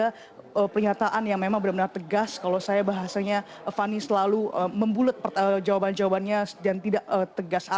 ini adalah pernyataan yang memang benar benar tegas kalau saya bahasanya fani selalu membulet jawabannya dan tidak tegas